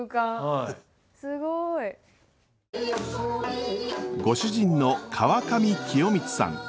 すごい。ご主人の川上清満さん。